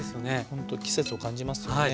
ほんと季節を感じますよね。